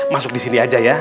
masuk disini aja ya